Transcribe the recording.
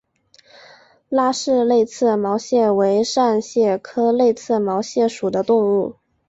拉氏泪刺毛蟹为扇蟹科泪刺毛蟹属的动物。